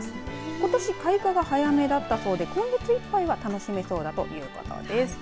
ことし、開花が早めだったそうですが今月いっぱいは楽しめそうだということです。